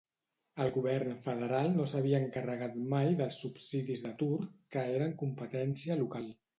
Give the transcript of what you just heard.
El govern federal no s'havia encarregat mai dels subsidis d'atur, que eren competència local.